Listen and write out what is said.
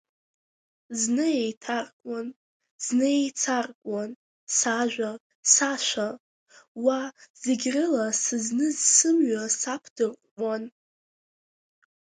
Зны еиҭаркуан, зны еицаркуан, сажәа, сашәа, уа, зегь рыла сызныз сымҩа саԥдырҟәҟәуан.